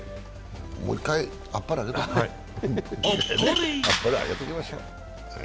もう１回あっぱれあげておきましょう。